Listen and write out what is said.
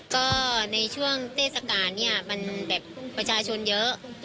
ก็ในช่วงเทศกาลเนี่ยมันแบบประชาชนเยอะ